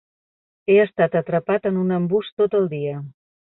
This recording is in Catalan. He estat atrapat a un embús tot el dia!